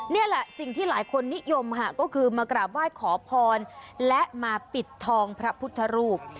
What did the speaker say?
นี่แหละสิ่งที่หลายคนนิยมค่ะก็คือมากราบไหว้ขอพรและมาปิดทองพระพุทธรูป